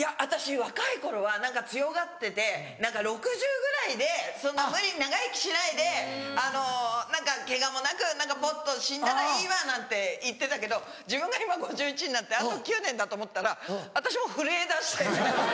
私若い頃は何か強がってて何か６０歳ぐらいでそんな無理に長生きしないで何かケガもなくぽっと死んだらいいわなんて言ってたけど自分が今５１歳になってあと９年だと思ったら私も震えだして。